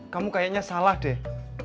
kamu kayaknya salah deh